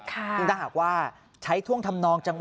คุณตามหากใช้ท่วงทำนองจังหวะ